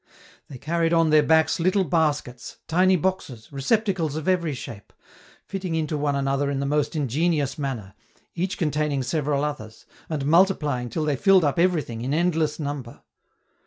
They carried on their backs little baskets, tiny boxes, receptacles of every shape, fitting into one another in the most ingenious manner, each containing several others, and multiplying till they filled up everything, in endless number.